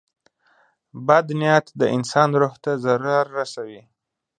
• بد نیت د انسان روح ته ضرر رسوي.